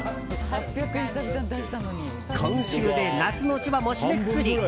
今週で夏の千葉も締めくくり。